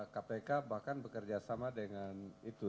kpk bahkan bekerja sama dengan itu